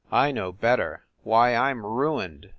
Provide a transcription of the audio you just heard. "I know better. Why, I m ruined.